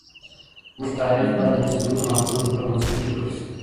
زموږ تاریخ باید د مستندو مأخذونو پر بنسټ ولیکل شي.